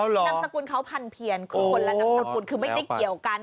นามสกุลเขาพันเพียนคือคนละนามสกุลคือไม่ได้เกี่ยวกัน